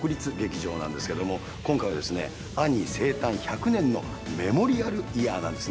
なんですけども今回は『アニー』生誕１００年のメモリアルイヤーなんですね。